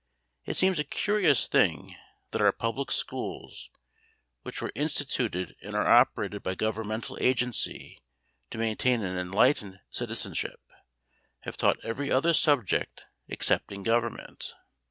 It seems a curious thing that our public schools, which were instituted and are operated by governmental agency to maintain an enlightened citizenship, have taught every other subject excepting Government.